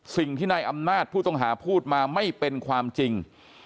สิ่งที่นายอำนาจผู้ต้องหาพูดมาไม่เป็นความจริง